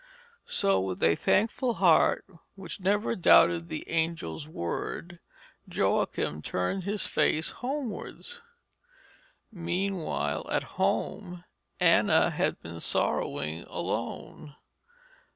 So with a thankful heart which never doubted the angel's word, Joachim turned his face homewards. Meanwhile, at home, Anna had been sorrowing alone.